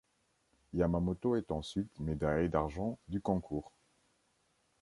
Yamamoto est ensuite médaillé d'argent du concours.